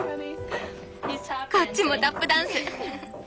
こっちもタップダンス。